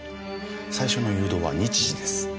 最初の誘導は日時です。